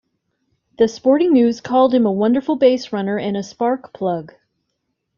"The Sporting News" called him a "wonderful base runner and a spark plug.